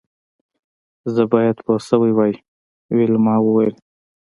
زه باید پوه شوې وای ویلما وویل